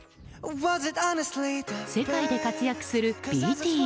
世界で活躍するＢＴＳ。